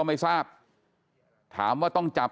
เมื่อยครับเมื่อยครับ